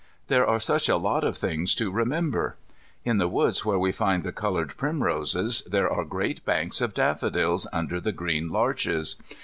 There are such a lot of things to remember In the wood where we find the coloured primroses there are great banks of daffodils under the green larches.